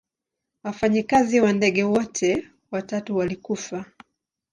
Wafanyikazi wa ndege wote watatu walikufa.